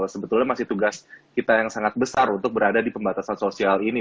sebetulnya masih tugas kita yang sangat besar untuk berada di pembatasan sosial ini